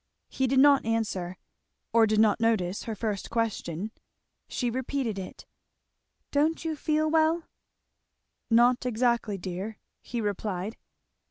He did not answer, or did not notice her first question; she repeated it. "Don't you feel well?" "Not exactly, dear!" he replied.